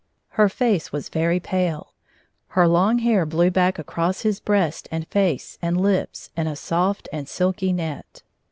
Her face was very pale. Her long hair blew back across his breast and face and Ups in a soft and silky net.